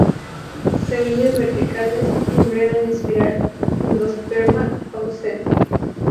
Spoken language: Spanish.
Semillas verticales, embrión en espiral; endosperma ausente.